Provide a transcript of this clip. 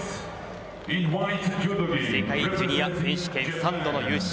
世界ジュニア選手権３度の優勝。